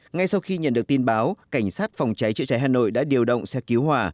ngay sau khi nhận được tin báo cảnh sát phòng cháy chữa cháy hà nội đã điều động xe cứu hỏa